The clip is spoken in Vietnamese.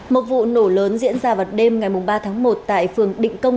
một vụ nổ lớn diễn ra vào đêm ngày ba tháng một tại phường định công